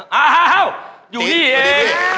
เฮ้าเฮ้าอยู่นี่เอง